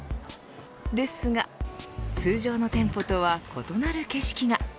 ですが、通常の店舗とは異なる景色が。